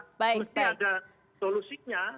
mesti ada solusinya